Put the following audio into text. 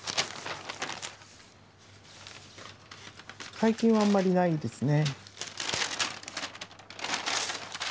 最近はあんまりないですね。